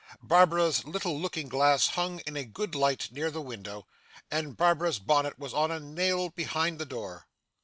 Barbara's little looking glass hung in a good light near the window, and Barbara's bonnet was on a nail behind the door.